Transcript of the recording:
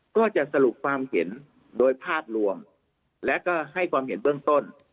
ก็จะสรุปความเห็นโดยภาพรวมและก็ให้ความเห็นเบื้องต้น